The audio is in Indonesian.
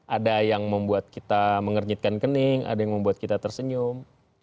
ada yang membuat kita mengernyitkan kening ada yang membuat kita tersenyum